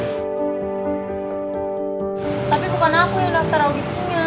tapi bukan aku yang daftar audisinya